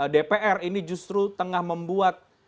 dpr ini justru tengah membuat